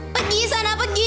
pegi sana pergi